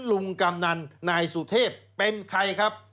กำนันนายสุเทพเป็นใครครับ